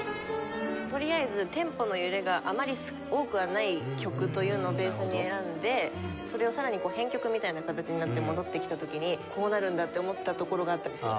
とりあえずテンポの揺れがあまり多くはない曲というのをベースに選んでそれをさらに編曲みたいな形になって戻ってきた時に「こうなるんだ」って思ったところがあったりする。